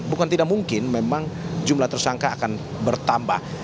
bukan tidak mungkin memang jumlah tersangka akan bertambah